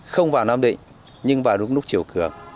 không vào nam định nhưng vào lúc chiều cường